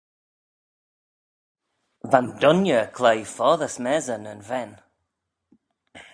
Va'n dooinney cloie foddey smessey na'n ven.